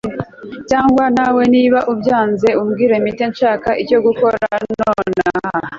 cyangwa nawe niba ubyanze umbwire mpite nshaka icyo gukora nonaha